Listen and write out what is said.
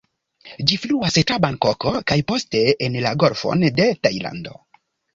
Ĝi fluas tra Bankoko kaj poste en la Golfon de Tajlando.